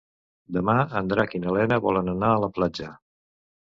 Demà en Drac i na Lena volen anar a la platja.